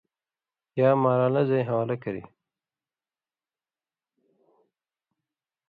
یا ماران٘لہ زَیں حوالہ کری،